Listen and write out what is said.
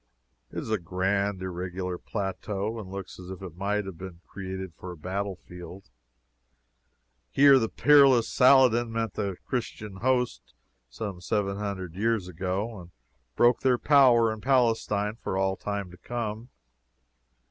It is a grand, irregular plateau, and looks as if it might have been created for a battle field. Here the peerless Saladin met the Christian host some seven hundred years ago, and broke their power in Palestine for all time to come.